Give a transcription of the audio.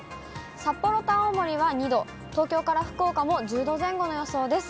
札幌と青森は２度、東京から福岡も１０度前後の予想です。